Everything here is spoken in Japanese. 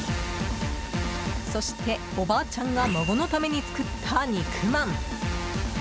そして、おばあちゃんが孫のために作った肉まん。